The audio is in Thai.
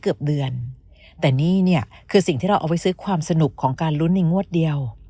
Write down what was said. เกือบเดือนแต่นี่เนี่ยคือสิ่งที่เราเอาไปซื้อความสนุกของการลุ้นในงวดเดียว